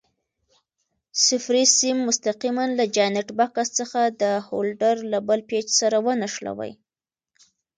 صفري سیم مستقیماً له جاینټ بکس څخه د هولډر له بل پېچ سره ونښلوئ.